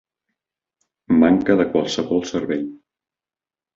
Manca de qualsevol servei.